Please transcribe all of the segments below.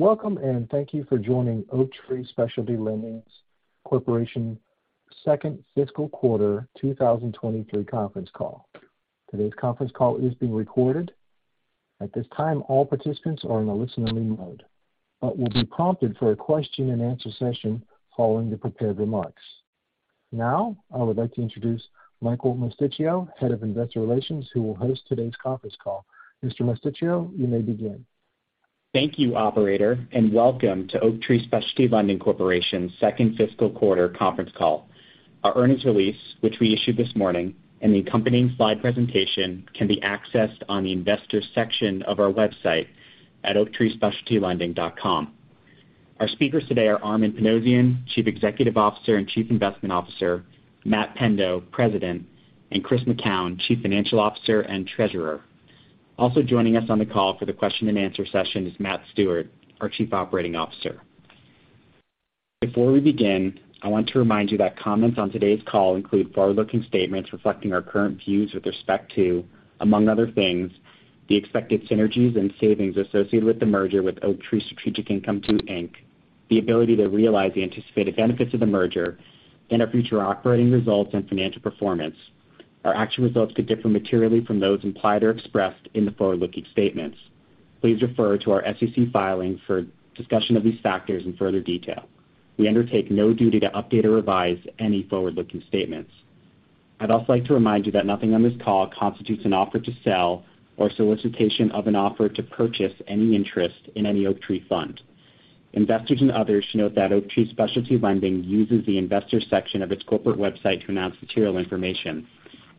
Welcome thank you for joining Oaktree Specialty Lending Corporation second fiscal quarter 2023 conference call. Today's conference call is being recorded. At this time, all participants are in a listen-only mode, but will be prompted for a question-and-answer session following the prepared remarks. Now I would like to introduce Michael Mosticchio, Head of Investor Relations, who will host today's conference call. Mr. Mosticchio, you may begin. Thank you, operator, and welcome to Oaktree Specialty Lending Corporation second fiscal quarter conference call. Our earnings release, which we issued this morning, and the accompanying slide presentation can be accessed on the Investors section of our website at oaktreespecialtylending.com. Our speakers today are Armen Panossian, Chief Executive Officer and Chief Investment Officer, Matt Pendo, President, and Chris McKown, Chief Financial Officer and Treasurer. Also joining us on the call for the question-and-answer session is Matt Stewart, our Chief Operating Officer. Before we begin, I want to remind you that comments on today's call include forward-looking statements reflecting our current views with respect to, among other things, the expected synergies and savings associated with the merger with Oaktree Strategic Income II, Inc., the ability to realize the anticipated benefits of the merger and our future operating results and financial performance. Our actual results could differ materially from those implied or expressed in the forward-looking statements. Please refer to our SEC filings for discussion of these factors in further detail. We undertake no duty to update or revise any forward-looking statements. I'd also like to remind you that nothing on this call constitutes an offer to sell or solicitation of an offer to purchase any interest in any Oaktree fund. Investors and others should note that Oaktree Specialty Lending uses the Investors section of its corporate website to announce material information.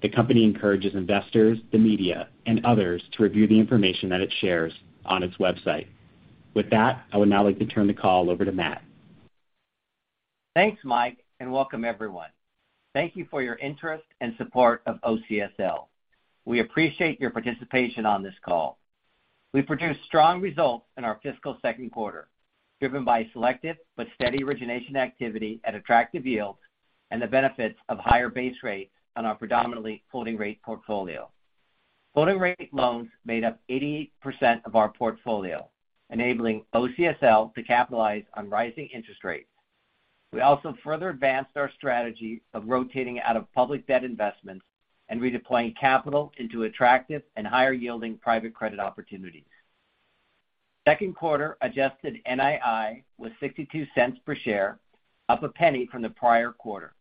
The company encourages investors, the media, and others to review the information that it shares on its website. With that, I would now like to turn the call over to Matt. Thanks, Mike. Welcome everyone. Thank you for your interest and support of OCSL. We appreciate your participation on this call. We produced strong results in our fiscal second quarter, driven by selective but steady origination activity at attractive yields and the benefits of higher base rates on our predominantly floating rate portfolio. Floating rate loans made up 80% of our portfolio, enabling OCSL to capitalize on rising interest rates. We also further advanced our strategy of rotating out of public debt investments and redeploying capital into attractive and higher-yielding private credit opportunities. Second quarter adjusted NII was $0.62 per share, up $0.01 from the prior quarter.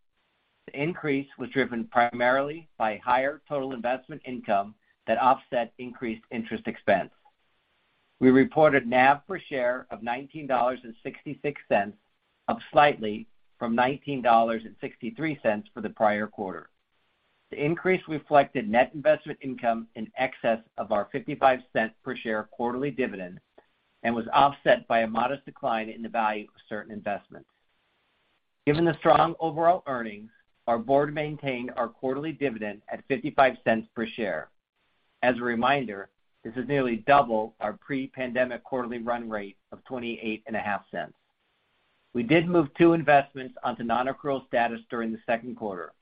The increase was driven primarily by higher total investment income that offset increased interest expense. We reported NAV per share of $19.66, up slightly from $19.63 for the prior quarter. The increase reflected net investment income in excess of our $0.55 per share quarterly dividend and was offset by a modest decline in the value of certain investments. Given the strong overall earnings, our board maintained our quarterly dividend at $0.55 per share. As a reminder, this is nearly double our pre-pandemic quarterly run rate of $0.285. We did move two investments onto non-accrual status during the second quarter,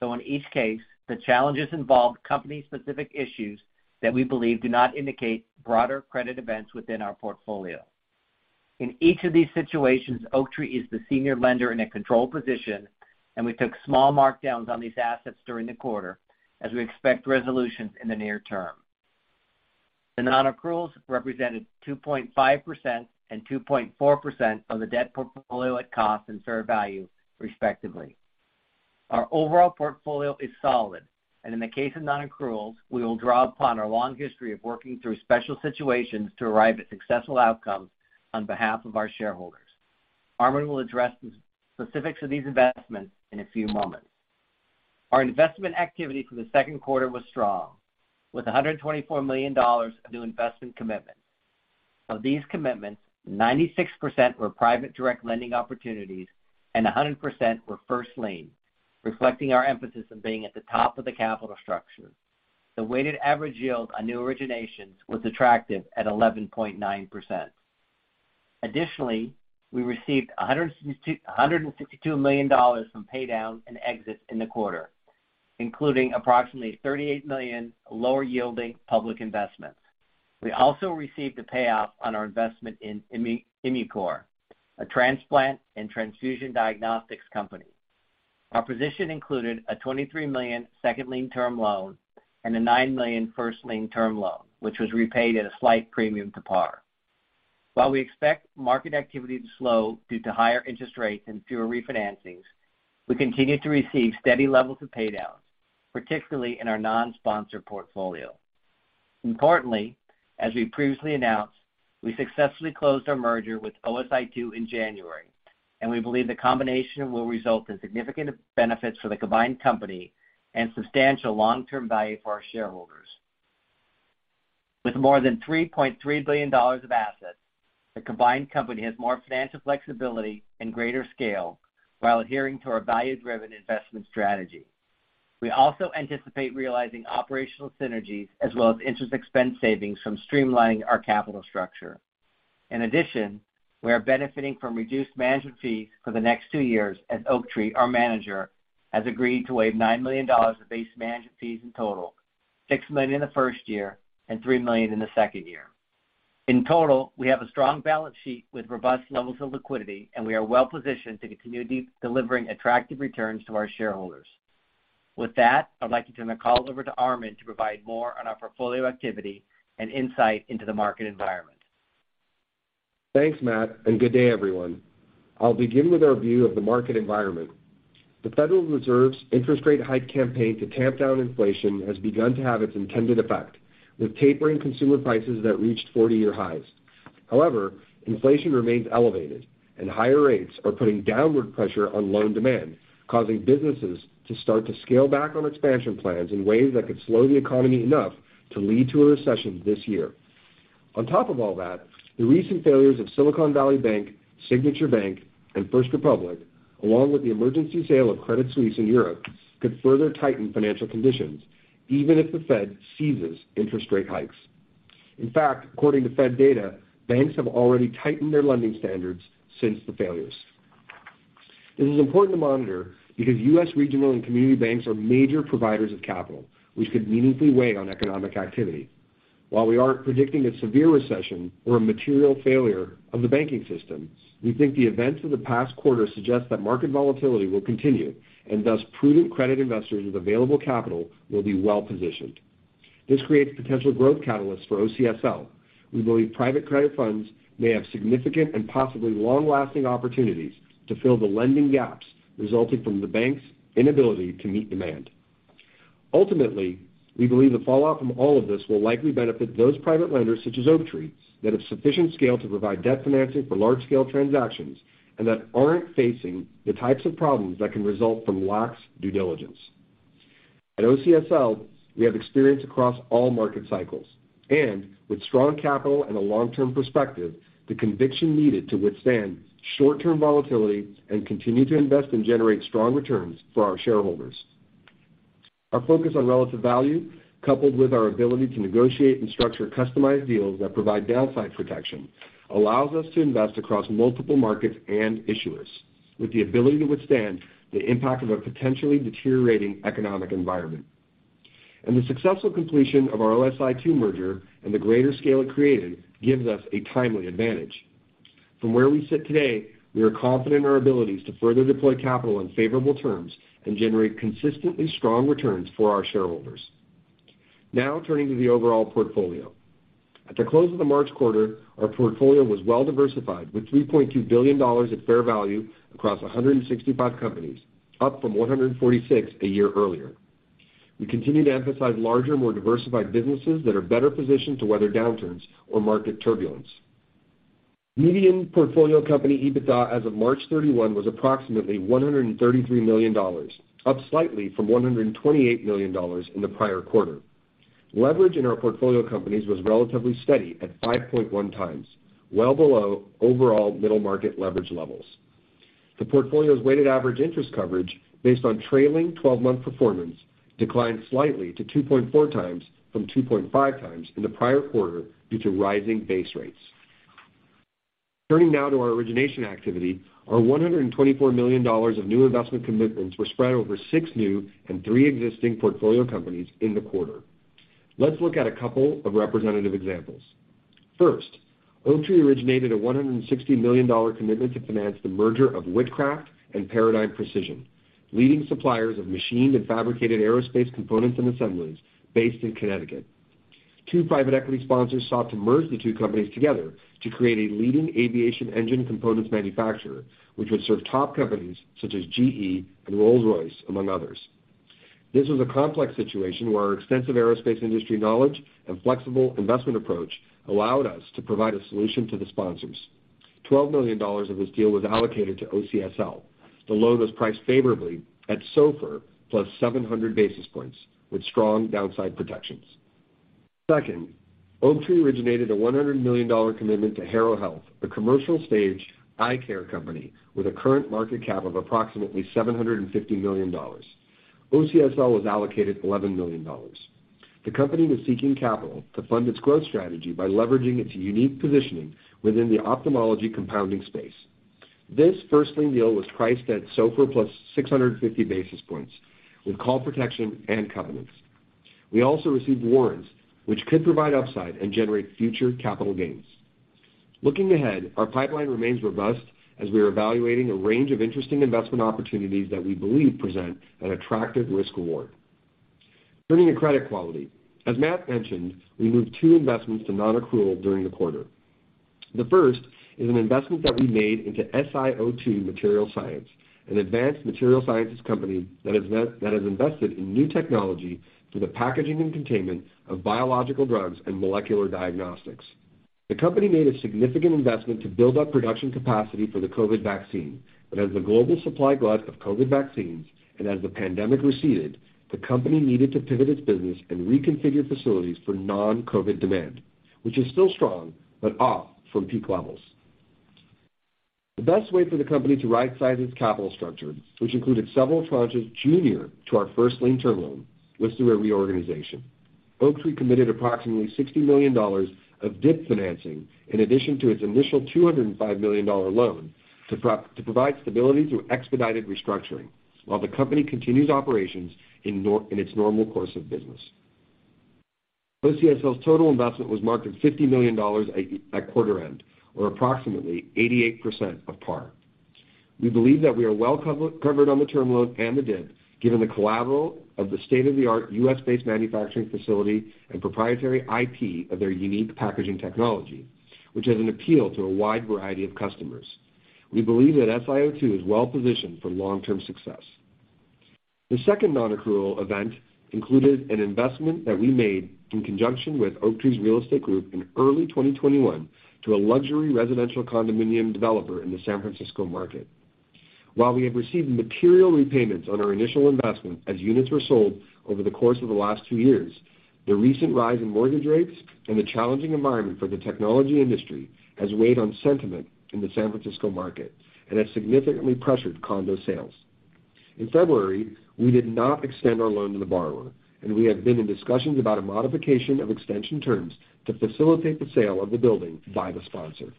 though in each case the challenges involved company-specific issues that we believe do not indicate broader credit events within our portfolio. In each of these situations, Oaktree is the senior lender in a control position, and we took small markdowns on these assets during the quarter as we expect resolutions in the near term. The non-accruals represented 2.5% and 2.4% of the debt portfolio at cost and fair value, respectively. Our overall portfolio is solid, and in the case of non-accruals, we will draw upon our long history of working through special situations to arrive at successful outcomes on behalf of our shareholders. Armen will address the specifics of these investments in a few moments. Our investment activity for the second quarter was strong, with $124 million of new investment commitments. Of these commitments, 96% were private direct lending opportunities and 100% were first lien, reflecting our emphasis on being at the top of the capital structure. The weighted average yield on new originations was attractive at 11.9%. We received $162 million from pay downs and exits in the quarter, including approximately $38 million lower-yielding public investments. We also received a payoff on our investment in Immucor, a transplant and transfusion diagnostics company. Our position included a $23 million second-lien term loan and a $9 million first-lien term loan, which was repaid at a slight premium to par. While we expect market activity to slow due to higher interest rates and fewer refinancings, we continue to receive steady levels of pay downs, particularly in our non-sponsor portfolio. Importantly, as we previously announced, we successfully closed our merger with OSI II in January, and we believe the combination will result in significant benefits for the combined company and substantial long-term value for our shareholders. With more than $3.3 billion of assets, the combined company has more financial flexibility and greater scale while adhering to our value-driven investment strategy. We also anticipate realizing operational synergies as well as interest expense savings from streamlining our capital structure. We are benefiting from reduced management fees for the next two years as Oaktree, our manager, has agreed to waive $9 million of base management fees in total. $6 million in the first year and $3 million in the second year. We have a strong balance sheet with robust levels of liquidity, and we are well-positioned to continue delivering attractive returns to our shareholders. With that, I'd like to turn the call over to Armen to provide more on our portfolio activity and insight into the market environment. Thanks, Matt. Good day, everyone. I'll begin with our view of the market environment. The Federal Reserve's interest rate hike campaign to tamp down inflation has begun to have its intended effect, with tapering consumer prices that reached 40-year highs. However, inflation remains elevated and higher rates are putting downward pressure on loan demand, causing businesses to start to scale back on expansion plans in ways that could slow the economy enough to lead to a recession this year. On top of all that, the recent failures of Silicon Valley Bank, Signature Bank, and First Republic, along with the emergency sale of Credit Suisse in Europe, could further tighten financial conditions, even if the Fed seizes interest rate hikes. In fact, according to Fed data, banks have already tightened their lending standards since the failures. This is important to monitor because U.S. regional and community banks are major providers of capital, which could meaningfully weigh on economic activity. While we aren't predicting a severe recession or a material failure of the banking system, we think the events of the past quarter suggest that market volatility will continue and thus prudent credit investors with available capital will be well-positioned. This creates potential growth catalysts for OCSL. We believe private credit funds may have significant and possibly long-lasting opportunities to fill the lending gaps resulting from the bank's inability to meet demand. Ultimately, we believe the fallout from all of this will likely benefit those private lenders such as Oaktree that have sufficient scale to provide debt financing for large-scale transactions and that aren't facing the types of problems that can result from lax due diligence. At OCSL, we have experience across all market cycles. With strong capital and a long-term perspective, the conviction needed to withstand short-term volatility and continue to invest and generate strong returns for our shareholders. Our focus on relative value, coupled with our ability to negotiate and structure customized deals that provide downside protection, allows us to invest across multiple markets and issuers with the ability to withstand the impact of a potentially deteriorating economic environment. The successful completion of our OSI II merger and the greater scale it created gives us a timely advantage. From where we sit today, we are confident in our abilities to further deploy capital on favorable terms and generate consistently strong returns for our shareholders. Now turning to the overall portfolio. At the close of the March quarter, our portfolio was well-diversified with $3.2 billion at fair value across 165 companies, up from 146 a year earlier. We continue to emphasize larger, more diversified businesses that are better positioned to weather downturns or market turbulence. Median portfolio company EBITDA as of March 31 was approximately $133 million, up slightly from $128 million in the prior quarter. Leverage in our portfolio companies was relatively steady at 5.1x, well below overall middle market leverage levels. The portfolio's weighted average interest coverage based on trailing 12-month performance declined slightly to 2.4x from 2.5x in the prior quarter due to rising base rates. Turning now to our origination activity. Our $124 million of new investment commitments were spread over six new and three existing portfolio companies in the quarter. Let's look at a couple of representative examples. Oaktree originated a $160 million commitment to finance the merger of Whitcraft and Paradigm Precision, leading suppliers of machined and fabricated aerospace components and assemblies based in Connecticut. Two private equity sponsors sought to merge the two companies together to create a leading aviation engine components manufacturer, which would serve top companies such as GE and Rolls-Royce, among others. This was a complex situation where our extensive aerospace industry knowledge and flexible investment approach allowed us to provide a solution to the sponsors. $12 million of this deal was allocated to OCSL. The loan was priced favorably at SOFR plus 700 basis points with strong downside protections. Oaktree originated a $100 million commitment to Harrow Health, a commercial stage eye care company with a current market cap of approximately $750 million. OCSL was allocated $11 million. The company was seeking capital to fund its growth strategy by leveraging its unique positioning within the ophthalmology compounding space. This first-lien deal was priced at SOFR plus 650 basis points with call protection and covenants. We also received warrants, which could provide upside and generate future capital gains. Looking ahead, our pipeline remains robust as we are evaluating a range of interesting investment opportunities that we believe present an attractive risk reward. Turning to credit quality. As Matt mentioned, we moved two investments to non-accrual during the quarter. The first is an investment that we made into SiO2 Materials Science, an advanced material sciences company that has invested in new technology for the packaging and containment of biological drugs and molecular diagnostics. The company made a significant investment to build up production capacity for the COVID vaccine. As the global supply glut of COVID vaccines and as the pandemic receded, the company needed to pivot its business and reconfigure facilities for non-COVID demand, which is still strong, but off from peak levels. The best way for the company to right-size its capital structure, which included several tranches junior to our first lien term loan, was through a reorganization. Oaktree committed approximately $60 million of DIP financing in addition to its initial $205 million loan to provide stability through expedited restructuring while the company continues operations in its normal course of business. OCSL's total investment was marked at $50 million at quarter end, or approximately 88% of par. We believe that we are well covered on the term loan and the DIP, given the collateral of the state-of-the-art U.S.-based manufacturing facility and proprietary IP of their unique packaging technology, which has an appeal to a wide variety of customers. We believe that SiO2 is well-positioned for long-term success. The second non-accrual event included an investment that we made in conjunction with Oaktree's Real Estate Group in early 2021 to a luxury residential condominium developer in the San Francisco market. While we have received material repayments on our initial investment as units were sold over the course of the last two years, the recent rise in mortgage rates and the challenging environment for the technology industry has weighed on sentiment in the San Francisco market and has significantly pressured condo sales. In February, we did not extend our loan to the borrower, and we have been in discussions about a modification of extension terms to facilitate the sale of the building by the sponsor.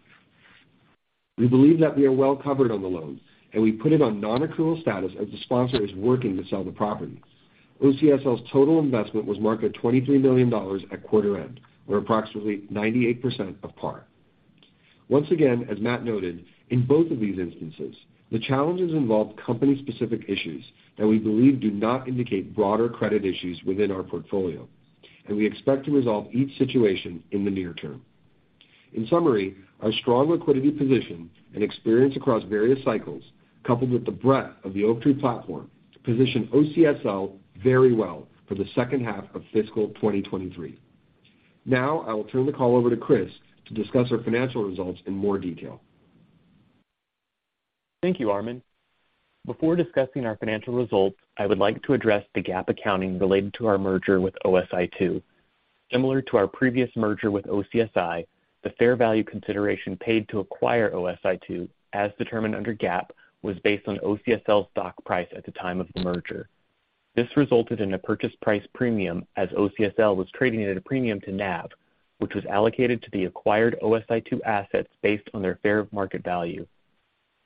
We believe that we are well covered on the loan, and we put it on non-accrual status as the sponsor is working to sell the property. OCSL's total investment was marked at $23 million at quarter end, or approximately 98% of par. Once again, as Matt noted, in both of these instances, the challenges involved company-specific issues that we believe do not indicate broader credit issues within our portfolio, and we expect to resolve each situation in the near term. In summary, our strong liquidity position and experience across various cycles, coupled with the breadth of the Oaktree platform, position OCSL very well for the second half of fiscal 2023. Now, I will turn the call over to Chris to discuss our financial results in more detail. Thank you, Armen. Before discussing our financial results, I would like to address the GAAP accounting related to our merger with OSI II. Similar to our previous merger with OCSI, the fair value consideration paid to acquire OSI II, as determined under GAAP, was based on OCSL's stock price at the time of the merger. This resulted in a purchase price premium as OCSL was trading at a premium to NAV, which was allocated to the acquired OSI II assets based on their fair market value.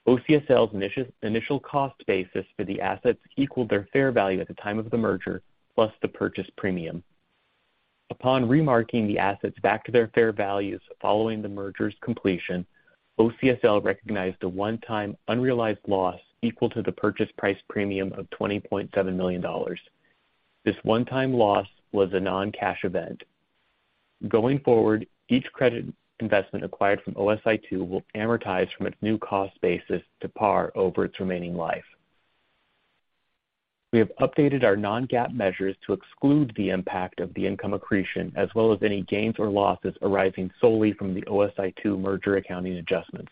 OCSL's initial cost basis for the assets equaled their fair value at the time of the merger, plus the purchase premium. Upon remarking the assets back to their fair values following the merger's completion, OCSL recognized a one-time unrealized loss equal to the purchase price premium of $20.7 million. This one-time loss was a non-cash event. Going forward, each credit investment acquired from OSI II will amortize from its new cost basis to par over its remaining life. We have updated our non-GAAP measures to exclude the impact of the income accretion as well as any gains or losses arising solely from the OSI II merger accounting adjustments.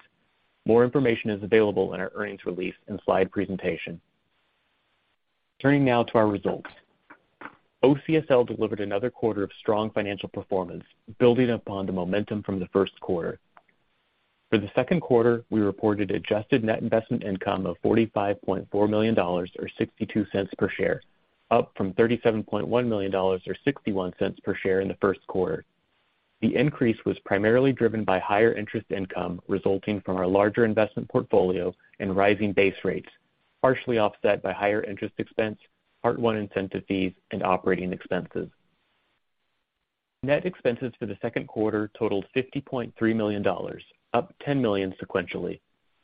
More information is available in our earnings release and slide presentation. Turning now to our results. OCSL delivered another quarter of strong financial performance, building upon the momentum from the first quarter. For the second quarter, we reported adjusted net investment income of $45.4 million or $0.62 per share, up from $37.1 million or $0.61 per share in the first quarter. The increase was primarily driven by higher interest income resulting from our larger investment portfolio and rising base rates, partially offset by higher interest expense, Part I incentive fees, and operating expenses. Net expenses for the second quarter totaled $50.3 million, up $10 million sequentially.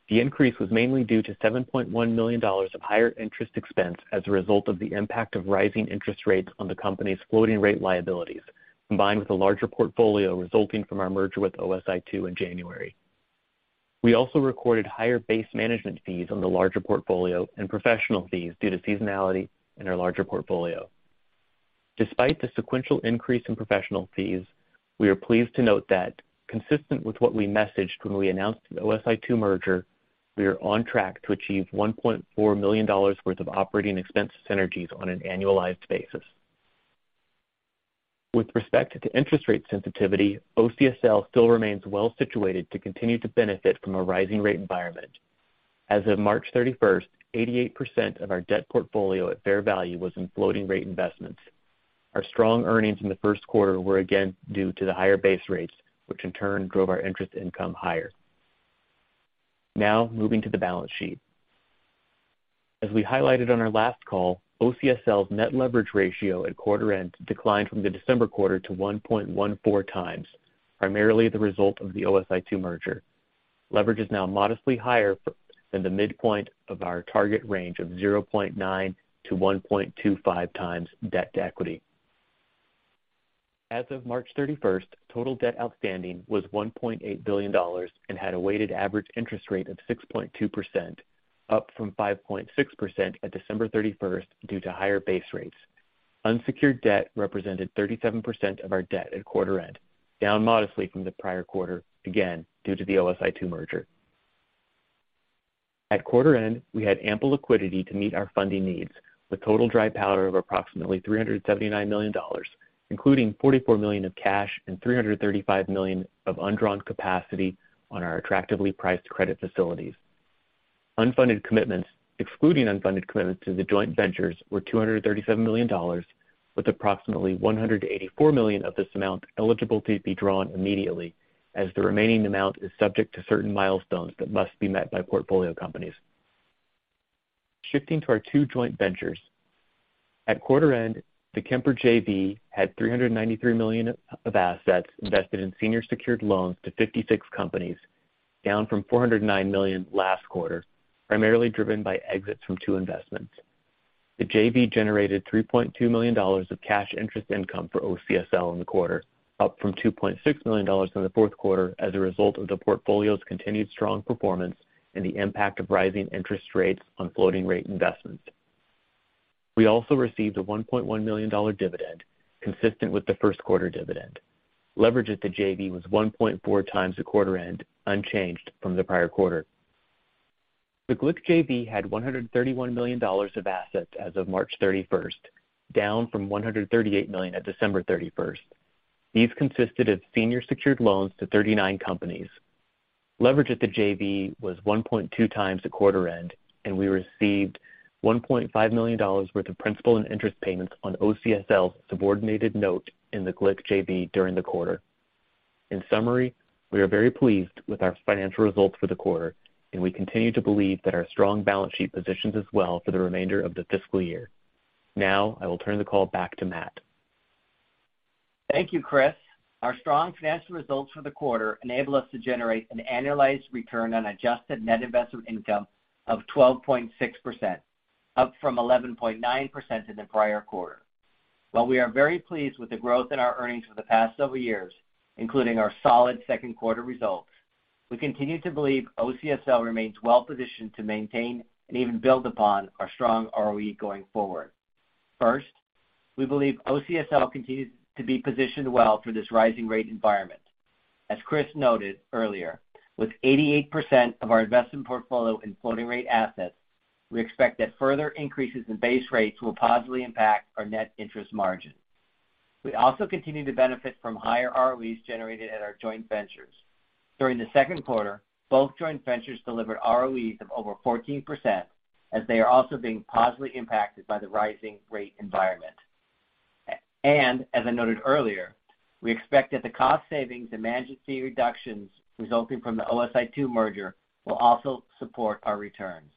The increase was mainly due to $7.1 million of higher interest expense as a result of the impact of rising interest rates on the company's floating rate liabilities, combined with a larger portfolio resulting from our merger with OSI II in January. We also recorded higher base management fees on the larger portfolio and professional fees due to seasonality in our larger portfolio. Despite the sequential increase in professional fees, we are pleased to note that consistent with what we messaged when we announced the OSI II merger, we are on track to achieve $1.4 million worth of operating expense synergies on an annualized basis. With respect to interest rate sensitivity, OCSL still remains well situated to continue to benefit from a rising rate environment. As of March 31st, 88% of our debt portfolio at fair value was in floating rate investments. Our strong earnings in the first quarter were again due to the higher base rates, which in turn drove our interest income higher. Moving to the balance sheet. As we highlighted on our last call, OCSL's net leverage ratio at quarter end declined from the December quarter to 1.14x, primarily the result of the OSI II merger. Leverage is now modestly higher than the midpoint of our target range of 0.9x-1.25x debt to equity. As of March 31st, total debt outstanding was $1.8 billion and had a weighted average interest rate of 6.2%, up from 5.6% at December 31st due to higher base rates. Unsecured debt represented 37% of our debt at quarter end, down modestly from the prior quarter, again due to the OSI II merger. At quarter end, we had ample liquidity to meet our funding needs, with total dry powder of approximately $379 million, including $44 million of cash and $335 million of undrawn capacity on our attractively priced credit facilities. Unfunded commitments, excluding unfunded commitments to the joint ventures, were $237 million with approximately $184 million of this amount eligible to be drawn immediately as the remaining amount is subject to certain milestones that must be met by portfolio companies. Shifting to our two joint ventures. At quarter end, the Kemper JV had $393 million of assets invested in senior secured loans to 56 companies, down from $409 million last quarter, primarily driven by exits from two investments. The JV generated $3.2 million of cash interest income for OCSL in the quarter, up from $2.6 million in the fourth quarter as a result of the portfolio's continued strong performance and the impact of rising interest rates on floating rate investments. We also received a $1.1 million dividend consistent with the first quarter dividend. Leverage at the JV was 1.4x the quarter end, unchanged from the prior quarter. The Glick JV had $131 million of assets as of March 31st, down from $138 million at December 31st. These consisted of senior secured loans to 39 companies. Leverage at the JV was 1.2x the quarter end, and we received $1.5 million worth of principal and interest payments on OCSL's subordinated note in the Glick JV during the quarter. In summary, we are very pleased with our financial results for the quarter, and we continue to believe that our strong balance sheet positions us well for the remainder of the fiscal year. Now, I will turn the call back to Matt. Thank you, Chris. Our strong financial results for the quarter enable us to generate an annualized return on adjusted net investment income of 12.6%, up from 11.9% in the prior quarter. While we are very pleased with the growth in our earnings for the past several years, including our solid second quarter results, we continue to believe OCSL remains well-positioned to maintain and even build upon our strong ROE going forward. First, we believe OCSL continues to be positioned well for this rising rate environment. As Chris noted earlier, with 88% of our investment portfolio in floating rate assets, we expect that further increases in base rates will positively impact our net interest margin. We also continue to benefit from higher ROEs generated at our joint ventures. During the second quarter, both joint ventures delivered ROEs of over 14% as they are also being positively impacted by the rising rate environment. As I noted earlier, we expect that the cost savings and management fee reductions resulting from the OSI II merger will also support our returns.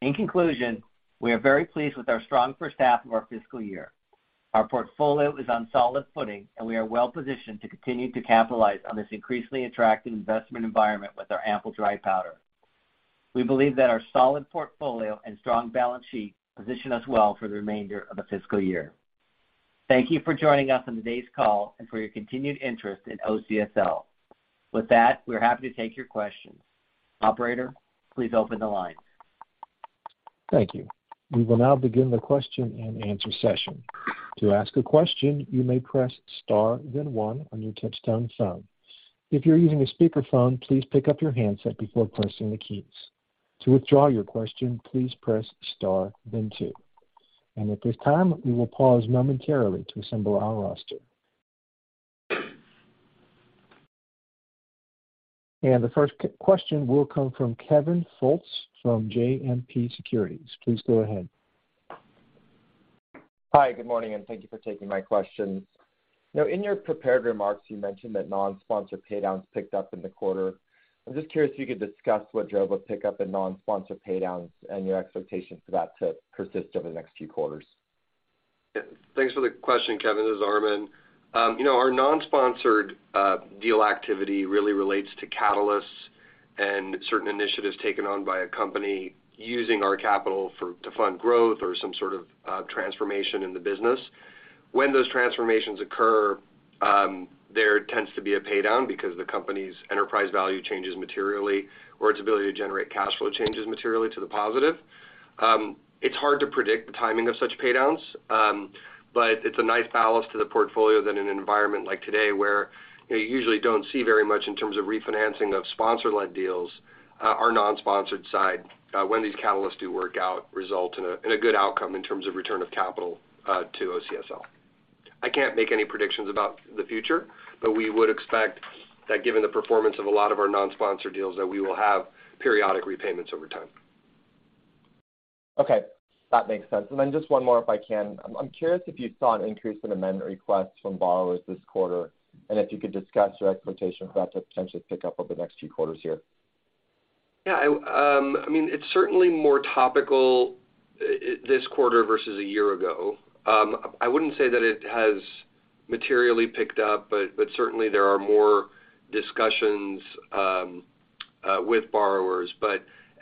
In conclusion, we are very pleased with our strong first half of our fiscal year. Our portfolio is on solid footing, and we are well positioned to continue to capitalize on this increasingly attractive investment environment with our ample dry powder. We believe that our solid portfolio and strong balance sheet position us well for the remainder of the fiscal year. Thank you for joining us on today's call and for your continued interest in OCSL. With that, we're happy to take your questions. Operator, please open the lines. Thank you. We will now begin the question and answer session. To ask a question, you may press star then one on your touchtone phone. If you're using a speaker phone, please pick up your handset before pressing the keys. To withdraw your question, please press star then two. At this time, we will pause momentarily to assemble our roster. The first question will come from Kevin Fultz from JMP Securities. Please go ahead. Hi, good morning, and thank you for taking my questions. Now, in your prepared remarks, you mentioned that non-sponsor paydowns picked up in the quarter. I'm just curious if you could discuss what drove a pickup in non-sponsor paydowns and your expectations for that to persist over the next few quarters? Yeah. Thanks for the question, Kevin. This is Armen. you know, our non-sponsored deal activity really relates to catalysts and certain initiatives taken on by a company using our capital to fund growth or some sort of transformation in the business. When those transformations occur, there tends to be a paydown because the company's enterprise value changes materially or its ability to generate cash flow changes materially to the positive. It's hard to predict the timing of such paydowns, but it's a nice balance to the portfolio that in an environment like today where you usually don't see very much in terms of refinancing of sponsor-led deals, our non-sponsored side, when these catalysts do work out, result in a good outcome in terms of return of capital to OCSL. I can't make any predictions about the future. We would expect that given the performance of a lot of our non-sponsor deals, that we will have periodic repayments over time. Okay. That makes sense. Just one more, if I can. I'm curious if you saw an increase in amendment requests from borrowers this quarter, and if you could discuss your expectation for that to potentially pick up over the next few quarters here. Yeah, I mean, it's certainly more topical this quarter versus a year ago. I wouldn't say that it has materially picked up, but certainly there are more discussions with borrowers.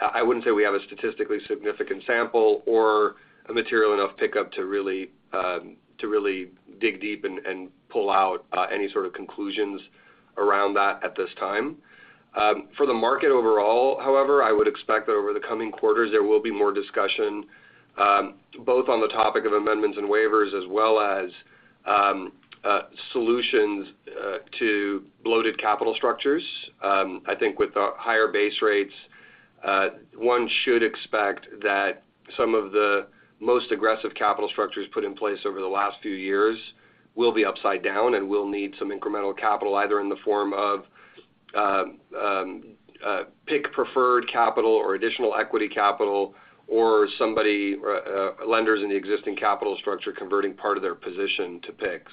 I wouldn't say we have a statistically significant sample or a material enough pickup to really to really dig deep and pull out any sort of conclusions around that at this time. For the market overall, however, I would expect that over the coming quarters, there will be more discussion, both on the topic of amendments and waivers, as well as solutions to bloated capital structures. I think with the higher base rates, one should expect that some of the most aggressive capital structures put in place over the last few years will be upside down and will need some incremental capital, either in the form of, pick preferred capital or additional equity capital, or somebody, lenders in the existing capital structure converting part of their position to pick.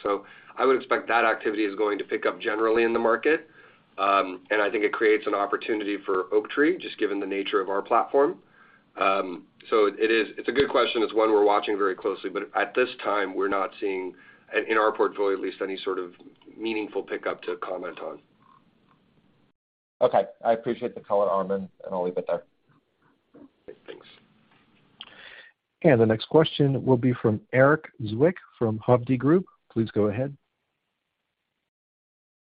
I would expect that activity is going to pick up generally in the market, and I think it creates an opportunity for Oaktree just given the nature of our platform. It's a good question. It's one we're watching very closely, but at this time, we're not seeing in our portfolio at least any sort of meaningful pickup to comment on. Okay. I appreciate the color, Armen, and I'll leave it there. Thanks. The next question will be from Erik Zwick from Hovde Group. Please go ahead.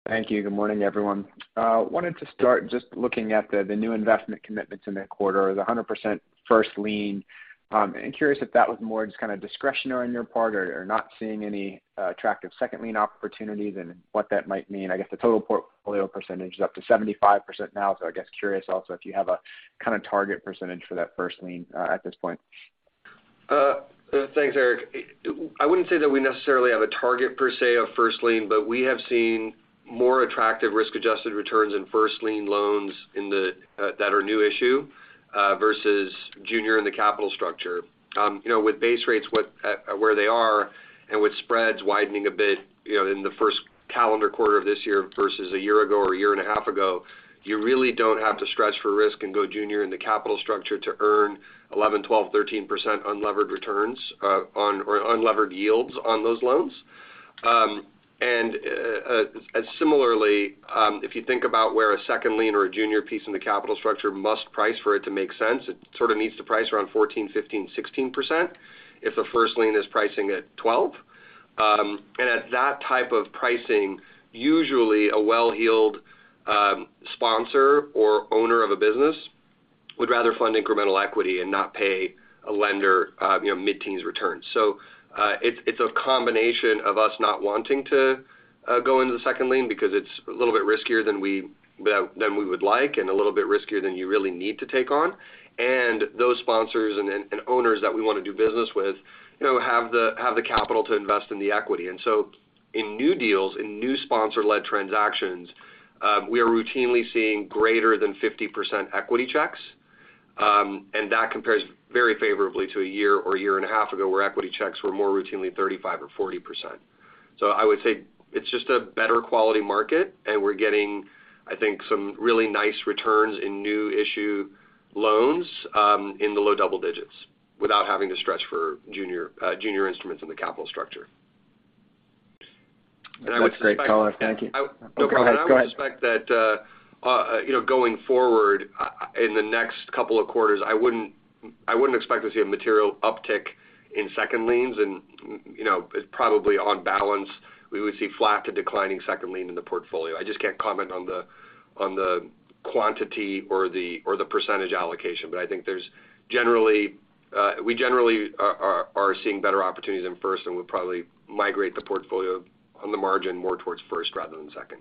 Thank you. Good morning, everyone. Wanted to start just looking at the new investment commitments in the quarter, the 100% first lien. Curious if that was more just kinda discretionary on your part or not seeing any attractive second-lien opportunities and what that might mean. I guess the total portfolio percentage is up to 75% now. I guess curious also if you have a kinda target percentage for that first-lien at this point. Thanks, Erik. I wouldn't say that we necessarily have a target per se of first-lien, but we have seen more attractive risk-adjusted returns in first-lien loans in the that are new issue versus junior in the capital structure. You know, with base rates where they are and with spreads widening a bit, you know, in the first calendar quarter of this year versus a year ago or a year and a half ago, you really don't have to stretch for risk and go junior in the capital structure to earn 11%, 12%, 13% unlevered returns on or unlevered yields on those loans. Similarly, if you think about where a second-lien or a junior piece in the capital structure must price for it to make sense, it sort of needs to price around 14%, 15%, 16% if the first-lien is pricing at 12%. At that type of pricing, usually a well-heeled sponsor or owner of a business would rather fund incremental equity and not pay a lender, you know, mid-teens returns. It's a combination of us not wanting to go into the second-lien because it's a little bit riskier than we would like and a little bit riskier than you really need to take on. Those sponsors and owners that we wanna do business with, you know, have the capital to invest in the equity. In new deals, in new sponsor-led transactions, we are routinely seeing greater than 50% equity checks, and that compares very favorably to a year or a year and a half ago, where equity checks were more routinely 35% or 40%. I would say it's just a better quality market, and we're getting, I think, some really nice returns in new issue loans, in the low double digits without having to stretch for junior instruments in the capital structure. That's a great color. Thank you. No problem. Go ahead. I would expect that, you know, going forward, in the next couple of quarters, I wouldn't expect to see a material uptick in second-liens and, you know, probably on balance, we would see flat to declining second-lien in the portfolio. I just can't comment on the quantity or the percentage allocation. I think there's generally, we generally are seeing better opportunities in first, and we'll probably migrate the portfolio on the margin more towards first rather than second.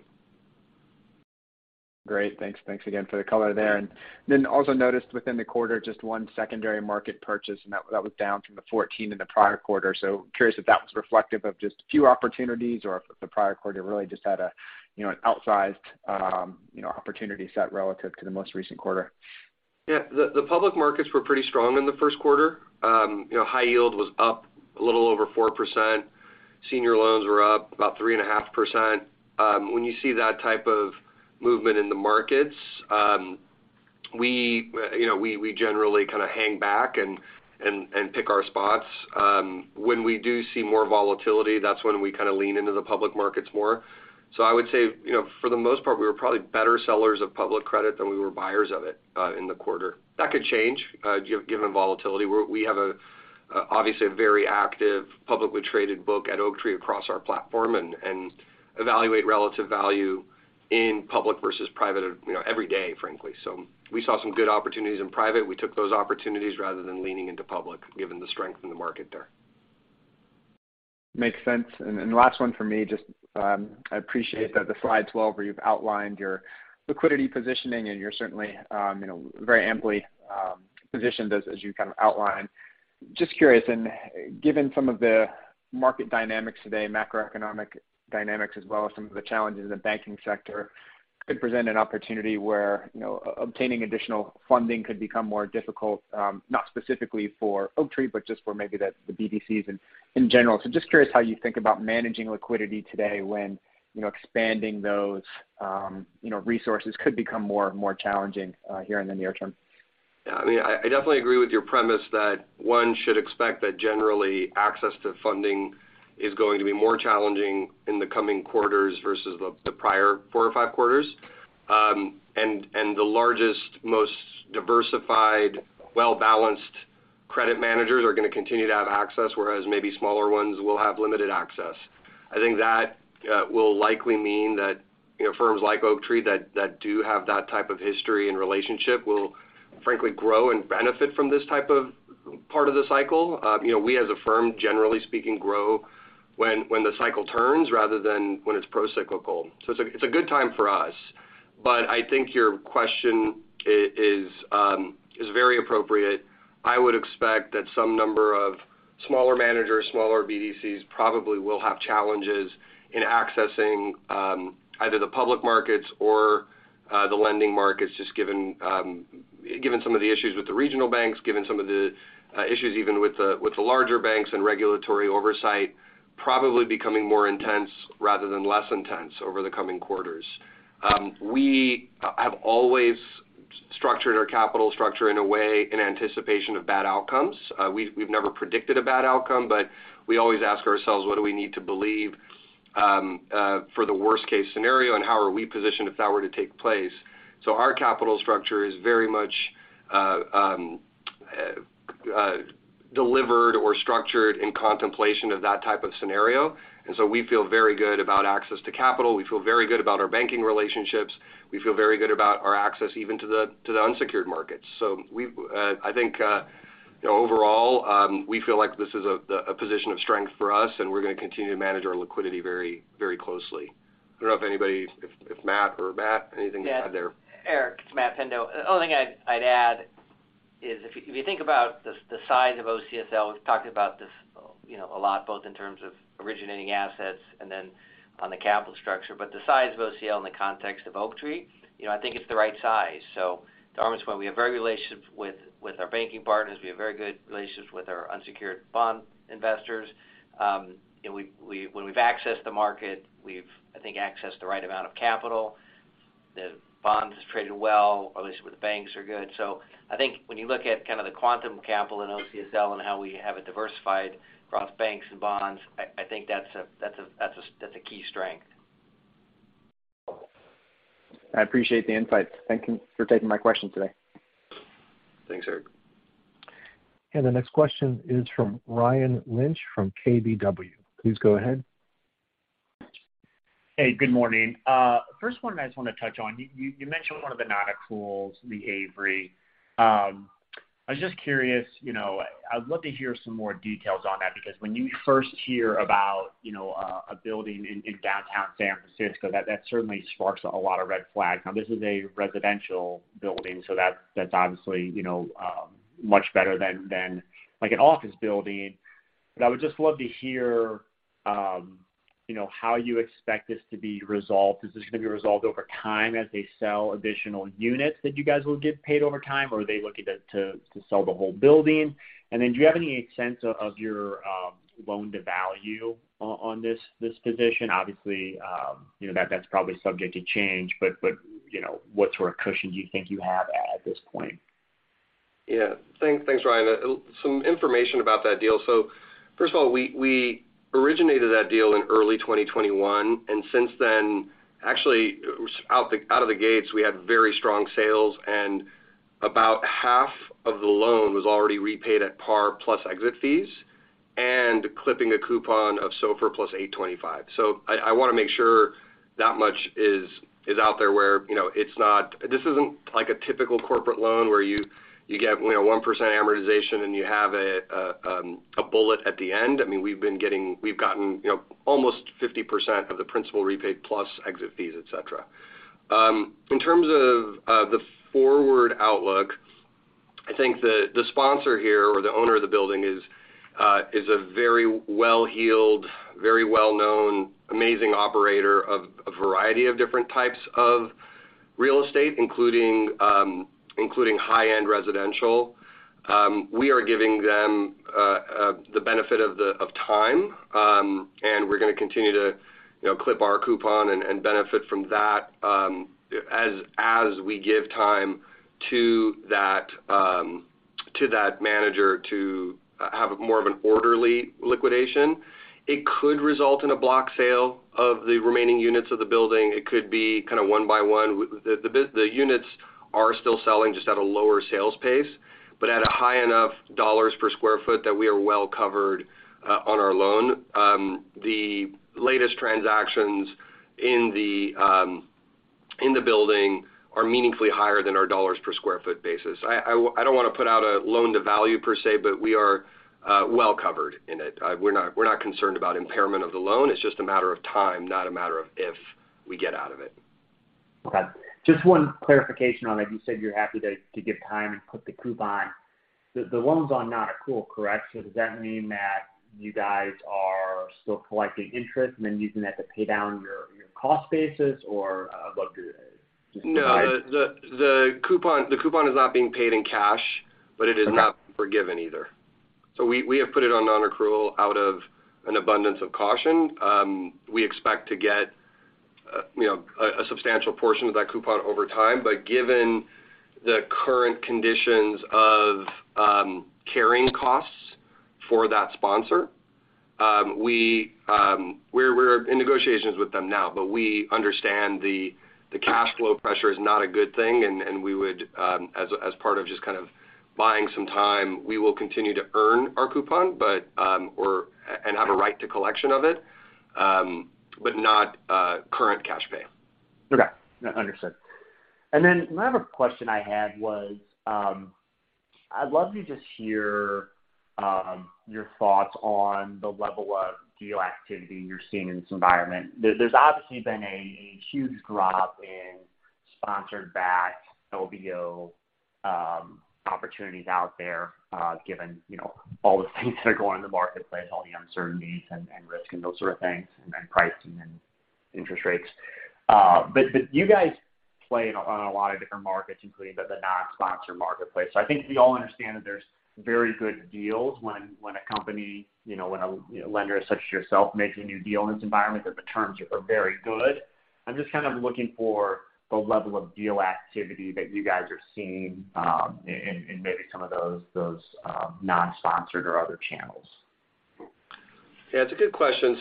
Great. Thanks. Thanks again for the color there. Also noticed within the quarter, just one secondary market purchase, and that was down from the 14 in the prior quarter. Curious if that was reflective of just a few opportunities or if the prior quarter really just had a, you know, an outsized, you know, opportunity set relative to the most recent quarter. The public markets were pretty strong in the first quarter. You know, high yield was up a little over 4%. Senior loans were up about 3.5%. When you see that type of movement in the markets, we, you know, we generally kinda hang back and pick our spots. When we do see more volatility, that's when we kinda lean into the public markets more. I would say, you know, for the most part, we were probably better sellers of public credit than we were buyers of it in the quarter. That could change, given volatility. We have a, obviously a very active publicly traded book at Oaktree across our platform and evaluate relative value in public versus private, you know, every day, frankly. We saw some good opportunities in private. We took those opportunities rather than leaning into public, given the strength in the market there. Makes sense. Last one for me, just, I appreciate that the slide 12 where you've outlined your liquidity positioning, and you're certainly, you know, very amply positioned as you kind of outlined. Just curious, given some of the market dynamics today, macroeconomic dynamics as well as some of the challenges in the banking sector could present an opportunity where, you know, obtaining additional funding could become more difficult, not specifically for Oaktree but just for maybe the BDCs in general. Just curious how you think about managing liquidity today when, you know, expanding those, you know, resources could become more and more challenging here in the near-term. Yeah. I mean, I definitely agree with your premise that one should expect that generally access to funding is going to be more challenging in the coming quarters versus the prior four or five quarters. The largest, most diversified, well-balanced credit managers are gonna continue to have access, whereas maybe smaller ones will have limited access. I think that will likely mean that, you know, firms like Oaktree that do have that type of history and relationship will frankly grow and benefit from this type of part of the cycle. You know, we as a firm, generally speaking, grow when the cycle turns rather than when it's procyclical. It's a good time for us. I think your question is very appropriate. I would expect that some number of smaller managers, smaller BDCs probably will have challenges in accessing either the public markets or the lending markets, just given given some of the issues with the regional banks, given some of the issues even with the larger banks and regulatory oversight probably becoming more intense rather than less intense over the coming quarters. We have always structured our capital structure in a way in anticipation of bad outcomes. We've never predicted a bad outcome, but we always ask ourselves what do we need to believe for the worst case scenario, and how are we positioned if that were to take place. Our capital structure is very much delivered or structured in contemplation of that type of scenario. We feel very good about access to capital. We feel very good about our banking relationships. We feel very good about our access even to the unsecured markets. I think overall, we feel like this is a position of strength for us, and we're going to continue to manage our liquidity very, very closely. I don't know if anybody. If Matt or Matt, anything to add there? Yeah. Erik, it's Matt Pendo. The only thing I'd add is if you think about the size of OCSL, we've talked about this, you know, a lot both in terms of originating assets and then on the capital structure. The size of OCSL in the context of Oaktree, you know, I think it's the right size. To Armen's point, we have very relationships with our banking partners. We have very good relationships with our unsecured bond investors. When we've accessed the market, we've, I think, accessed the right amount of capital. The bond has traded well. Our relations with the banks are good. I think when you look at kind of the quantum capital in OCSL and how we have it diversified across banks and bonds, I think that's a key strength. I appreciate the insight. Thank you for taking my question today. Thanks, Erik. The next question is from Ryan Lynch from KBW. Please go ahead. Hey, good morning. First one I just wanna touch on, you mentioned one of the non-accruals, The Avery. I was just curious, you know, I'd love to hear some more details on that because when you first hear about, you know, a building in downtown San Francisco, that certainly sparks a lot of red flags. This is a residential building, so that's obviously, you know, much better than like an office building. I would just love to hear, you know, how you expect this to be resolved. Is this gonna be resolved over time as they sell additional units that you guys will get paid over time, or are they looking to sell the whole building? Then do you have any sense of your loan-to-value on this position? Obviously, you know, that's probably subject to change. You know, what sort of cushion do you think you have at this point? Yeah. Thanks, thanks, Ryan. Some information about that deal. First of all, we originated that deal in early 2021, and since then, actually, out of the gates, we had very strong sales and about half of the loan was already repaid at par plus exit fees and clipping a coupon of SOFR plus 825. I wanna make sure that much is out there where, you know, this isn't like a typical corporate loan where you get, you know, 1% amortization and you have a bullet at the end. I mean, we've gotten, you know, almost 50% of the principal repaid plus exit fees, et cetera. In terms of the forward outlook, I think the sponsor here or the owner of the building is a very well-heeled, very well-known, amazing operator of a variety of different types of real estate, including high-end residential. We are giving them the benefit of time, and we're gonna continue to, you know, clip our coupon and benefit from that as we give time to that manager to have more of an orderly liquidation. It could result in a block sale of the remaining units of the building. It could be kind of one by one. The units are still selling just at a lower sales pace, but at a high enough dollars per square foot that we are well covered on our loan. The latest transactions in the building are meaningfully higher than our dollars per square foot basis. I don't wanna put out a loan-to-value per se, but we are well covered in it. We're not concerned about impairment of the loan. It's just a matter of time, not a matter of if we get out of it. Just one clarification on it. You said you're happy to give time and clip the coupon. The loan's on non-accrual, correct? Does that mean that you guys are still collecting interest and then using that to pay down your cost basis or what do you. No. The coupon is not being paid in cash. Okay. It is not forgiven either. We have put it on non-accrual out of an abundance of caution. We expect to get, you know, a substantial portion of that coupon over time. Given the current conditions of carrying costs for that sponsor, we're in negotiations with them now. We understand the cash flow pressure is not a good thing, and we would, as part of just kind of buying some time, we will continue to earn our coupon, but, and have a right to collection of it, but not, current cash pay. Okay. No, understood. My other question I had was, I'd love to just hear your thoughts on the level of deal activity you're seeing in this environment. There's obviously been a huge drop in sponsored-backed LBO opportunities out there, given, you know, all the things that are going in the marketplace, all the uncertainties and risk and those sort of things, pricing and interest rates. You guys play on a lot of different markets, including the non-sponsor marketplace. I think we all understand that there's very good deals when a company, you know, you know, lender such as yourself makes a new deal in this environment that the terms are very good. I'm just kind of looking for the level of deal activity that you guys are seeing, in maybe some of those non-sponsored or other channels. Yeah, it's a good question.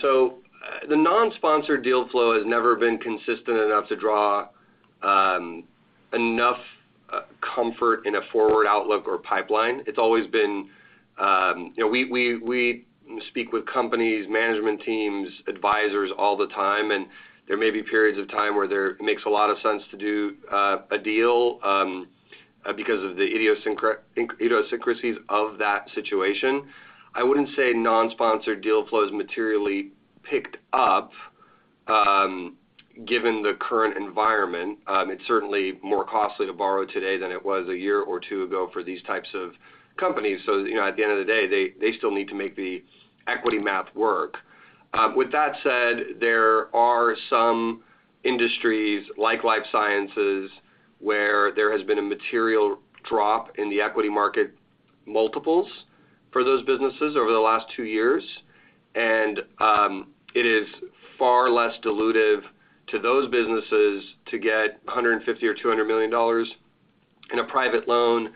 The non-sponsored deal flow has never been consistent enough to draw enough comfort in a forward outlook or pipeline. It's always been... You know, we speak with companies, management teams, advisors all the time, and there may be periods of time where there makes a lot of sense to do a deal because of the idiosyncrasies of that situation. I wouldn't say non-sponsored deal flow has materially picked up given the current environment. It's certainly more costly to borrow today than it was a year or two ago for these types of companies. You know, at the end of the day, they still need to make the equity math work. With that said, there are some industries like Life Sciences where there has been a material drop in the equity market multiples for those businesses over the last two years. It is far less dilutive to those businesses to get $150 million or $200 million in a private loan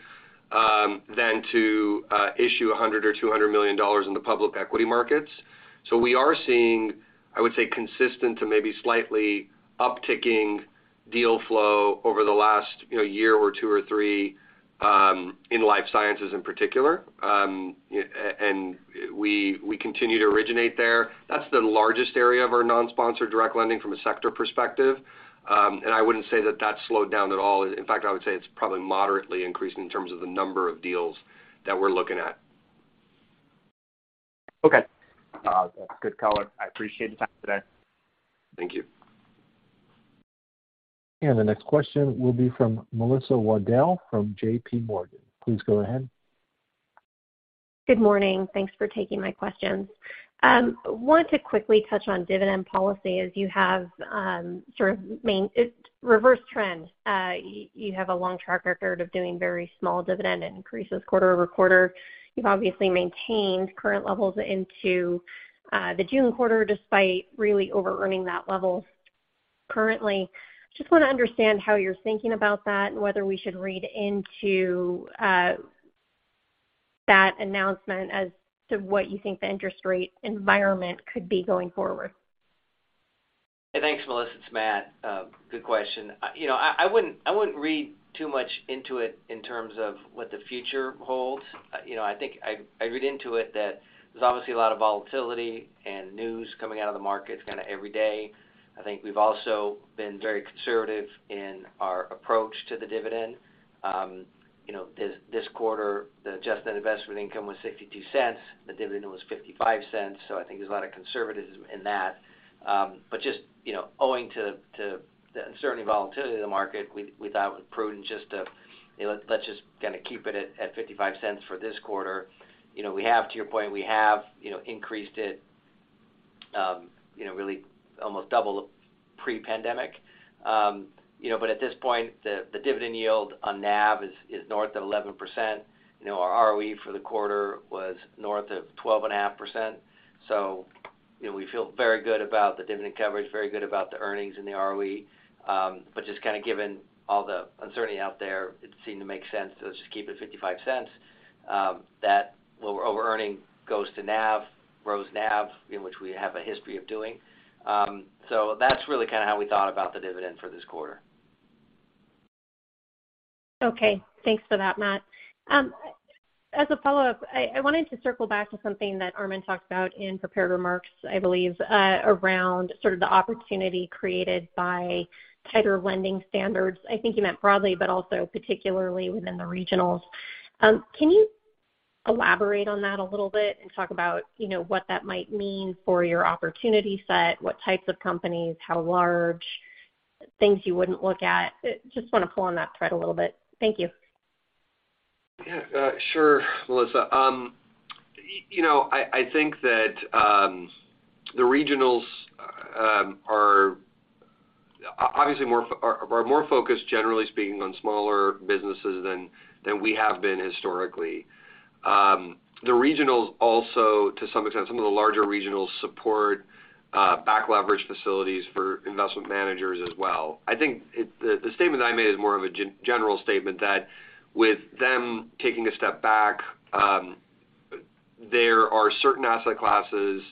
than to issue $100 million or $200 million in the public equity markets. We are seeing, I would say, consistent to maybe slightly upticking deal flow over the last, you know, year or two or three in Life Sciences in particular. We continue to originate there. That's the largest area of our non-sponsored direct lending from a sector perspective. I wouldn't say that that's slowed down at all. In fact, I would say it's probably moderately increased in terms of the number of deals that we're looking at. Okay. That's good color. I appreciate the time today. Thank you. The next question will be from Melissa Wedel from JPMorgan. Please go ahead. Good morning. Thanks for taking my questions. wanted to quickly touch on dividend policy as you have sort of reverse trend. you have a long track record of doing very small dividend increases quarter-over-quarter. You've obviously maintained current levels into the June quarter despite really overearning that level currently. Just want to understand how you're thinking about that and whether we should read into that announcement as to what you think the interest rate environment could be going forward? Thanks, Melissa. It's Matt. Good question. You know, I wouldn't read too much into it in terms of what the future holds. You know, I think I read into it that there's obviously a lot of volatility and news coming out of the markets kinda every day. I think we've also been very conservative in our approach to the dividend. You know, this quarter, the adjusted investment income was $0.62. The dividend was $0.55. I think there's a lot of conservatism in that. Just, you know, owing to the uncertainty and volatility of the market, we thought it was prudent just to, you know, let's just kinda keep it at $0.55 for this quarter. You know, we have, to your point, we have, you know, increased it, you know, really almost double pre-pandemic. You know, but at this point, the dividend yield on NAV is north of 11%. You know, our ROE for the quarter was north of 12.5%. You know, we feel very good about the dividend coverage, very good about the earnings in the ROE. Just kinda given all the uncertainty out there, it seemed to make sense to just keep it $0.55. That what we're overearning goes to NAV, grows NAV, in which we have a history of doing. That's really kinda how we thought about the dividend for this quarter. Okay. Thanks for that, Matt. As a follow-up, I wanted to circle back to something that Armen talked about in prepared remarks, I believe, around sort of the opportunity created by tighter lending standards. I think he meant broadly, but also particularly within the regionals. Can you elaborate on that a little bit and talk about, you know, what that might mean for your opportunity set, what types of companies, how large things you wouldn't look at? Just wanna pull on that thread a little bit. Thank you. Yeah. Sure, Melissa. You know, I think that the regionals are obviously more focused, generally speaking, on smaller businesses than we have been historically. The regionals also, to some extent, some of the larger regionals support back leverage facilities for investment managers as well. I think the statement that I made is more of a general statement that with them taking a step back, there are certain asset classes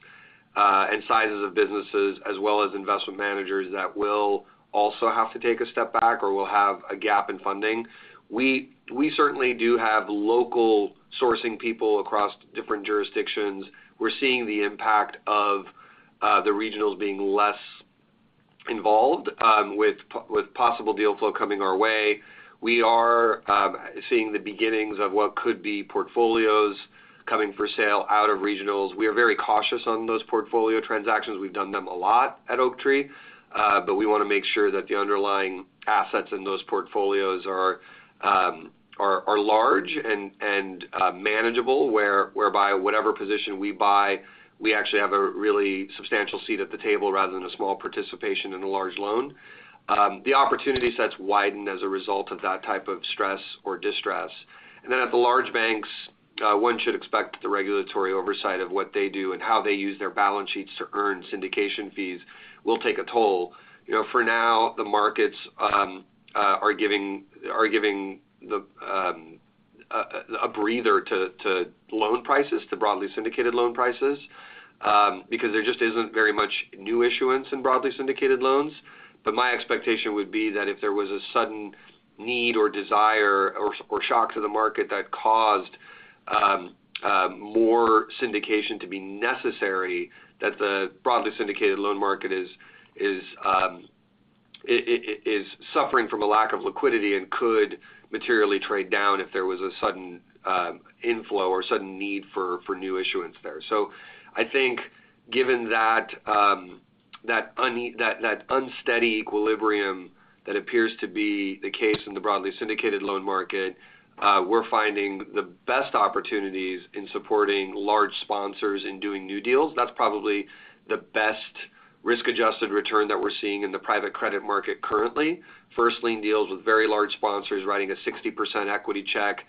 and sizes of businesses as well as investment managers that will also have to take a step back or will have a gap in funding. We certainly do have local sourcing people across different jurisdictions. We're seeing the impact of the regionals being less involved with possible deal flow coming our way. We are seeing the beginnings of what could be portfolios coming for sale out of regionals. We are very cautious on those portfolio transactions. We've done them a lot at Oaktree, but we wanna make sure that the underlying assets in those portfolios are large and manageable, whereby whatever position we buy, we actually have a really substantial seat at the table rather than a small participation in a large loan. The opportunity sets widened as a result of that type of stress or distress. At the large banks, one should expect the regulatory oversight of what they do and how they use their balance sheets to earn syndication fees will take a toll. You know, for now, the markets are giving the a breather to loan prices, to broadly syndicated loan prices, because there just isn't very much new issuance in broadly syndicated loans. My expectation would be that if there was a sudden need or desire or shock to the market that caused more syndication to be necessary, that the broadly syndicated loan market is suffering from a lack of liquidity and could materially trade down if there was a sudden inflow or sudden need for new issuance there. I think given that unsteady equilibrium that appears to be the case in the broadly syndicated loan market, we're finding the best opportunities in supporting large sponsors in doing new deals. That's probably the best risk-adjusted return that we're seeing in the private credit market currently. First-lien deals with very large sponsors writing a 60% equity check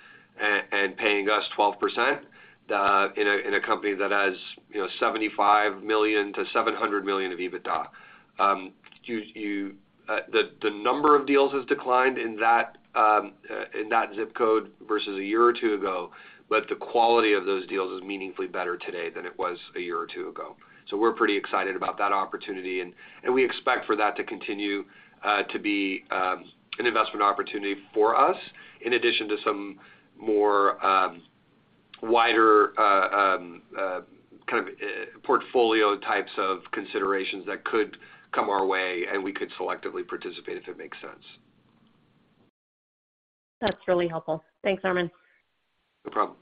and paying us 12% in a company that has, you know, $75 million-$700 million of EBITDA. The number of deals has declined in that zip code versus a year or two ago, but the quality of those deals is meaningfully better today than it was a year or two ago. We're pretty excited about that opportunity and we expect for that to continue to be an investment opportunity for us, in addition to some more wider kind of portfolio types of considerations that could come our way and we could selectively participate if it makes sense. That's really helpful. Thanks, Armen. No problem.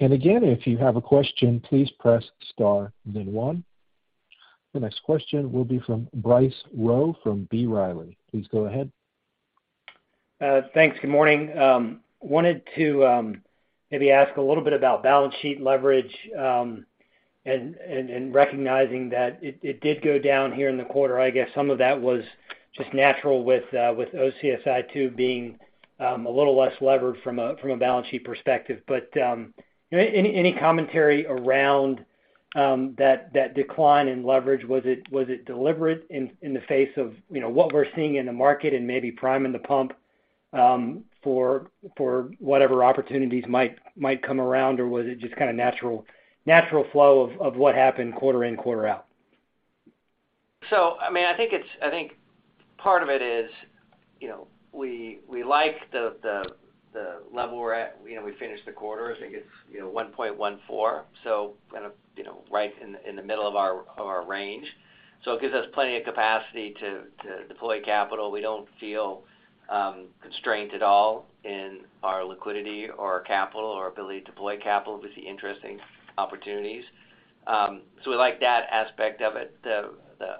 Again, if you have a question, please press star then one. The next question will be from Bryce Rowe from B. Riley. Please go ahead. Thanks. Good morning. wanted to maybe ask a little bit about balance sheet leverage and recognizing that it did go down here in the quarter. I guess some of that was just natural with OSI II being a little less-levered from a balance sheet perspective. Any commentary around that decline in leverage? Was it deliberate in the face of, you know, what we're seeing in the market and maybe priming the pump for whatever opportunities might come around? Or was it just kinda natural flow of what happened quarter in, quarter out? I mean, I think part of it is, you know, we like the, the level we're at. You know, we finished the quarter, I think it's, you know, 1.14, so kind of, you know, right in the middle of our, of our range. It gives us plenty of capacity to deploy capital. We don't feel constrained at all in our liquidity or capital or ability to deploy capital to see interesting opportunities. We like that aspect of it. The, the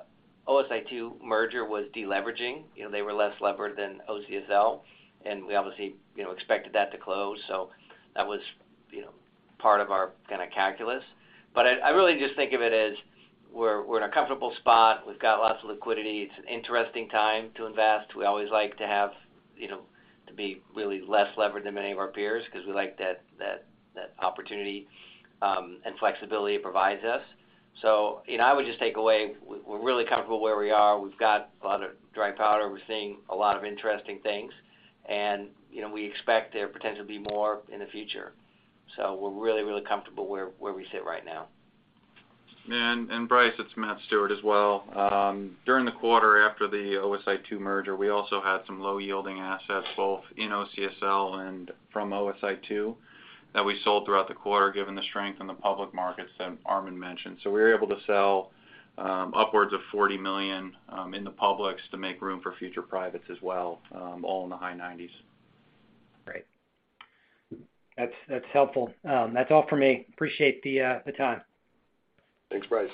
OSI II merger was deleveraging. You know, they were less-levered than OCSL, and we obviously, you know, expected that to close, so that was, you know, part of our kinda calculus. I really just think of it as we're in a comfortable spot. We've got lots of liquidity. It's an interesting time to invest. We always like to have, you know, to be really less-levered than many of our peers 'cause we like that opportunity, and flexibility it provides us. I would just take away, we're really comfortable where we are. We've got a lot of dry powder. We're seeing a lot of interesting things. You know, we expect there potentially be more in the future. We're really comfortable where we sit right now. Bryce, it's Matt Stewart as well. During the quarter after the OSI II merger, we also had some low-yielding assets both in OCSL and from OSI II that we sold throughout the quarter, given the strength in the public markets that Armen mentioned. We were able to sell upwards of $40 million in the publics to make room for future privates as well, all in the high 90s. Great. That's helpful. That's all for me. Appreciate the time. Thanks, Bryce.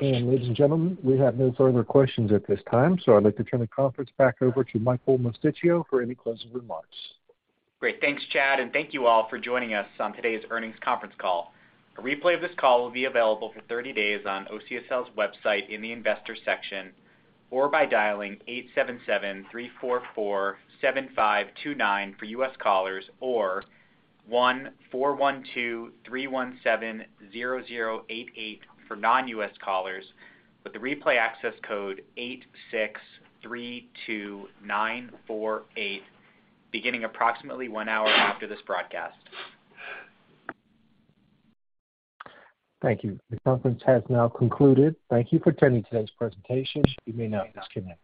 Ladies and gentlemen, we have no further questions at this time. I'd like to turn the conference back over to Michael Mosticchio for any closing remarks. Great. Thanks, Chad, and thank you all for joining us on today's earnings conference call. A replay of this call will be available for 30 days on OCSL's website in the investors section, or by dialing 877-344-7529 for U.S. callers or 1-412-317-0088 for non-U.S. callers with the replay access code 8632948 beginning approximately one hour after this broadcast. Thank you. The conference has now concluded. Thank you for attending today's presentation. You may now disconnect.